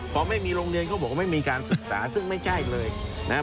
พอไม่มีโรงเรียนเขาบอกว่าไม่มีการศึกษาซึ่งไม่แจ้งอีกเลยนะครับ